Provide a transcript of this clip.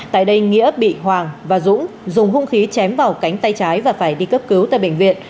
tại đây nghĩa bị hoàng và dũng dùng hung khí chém vào cánh tay trái và phải đi cấp cứu tại bệnh viện